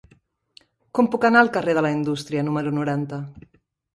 Com puc anar al carrer de la Indústria número noranta?